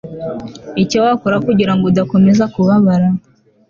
Icyo wakora kugira ngo udakomeza kubabara